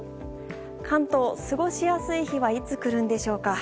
関東、過ごしやすい日はいつ来るのでしょうか？